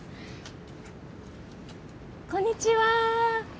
こんにちは。